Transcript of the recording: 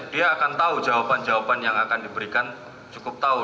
dia akan tahu jawaban jawaban yang akan diberikan cukup tahu